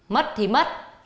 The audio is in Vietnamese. mất thì mất